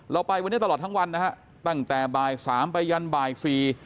ไปวันนี้ตลอดทั้งวันนะฮะตั้งแต่บ่ายสามไปยันบ่ายสี่